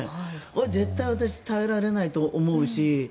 絶対私、耐えられないと思うし。